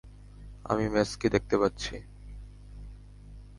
আমি মেসকে দেখতে পাচ্ছি।